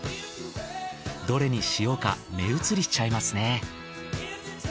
どれにしようか目移りしちゃいますね。